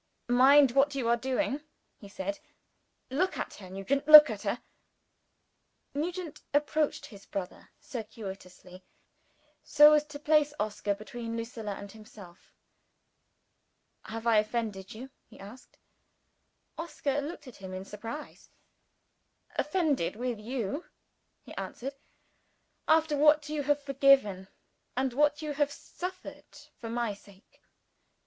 "Mind what you are doing!" he said. "Look at her, Nugent look at her." Nugent approached his brother, circuitously, so as to place Oscar between Lucilla and himself. "Have I offended you?" he asked. Oscar looked at him in surprise. "Offended with you," he answered, "after what you have forgiven, and what you have suffered, for my sake?"